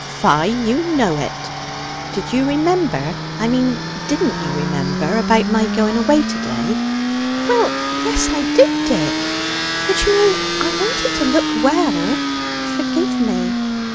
"Fie! you know it. Did you remember, I mean didn't you remember about my going away to day?" "Well, yes, I did, Dick; but, you know, I wanted to look well; forgive me."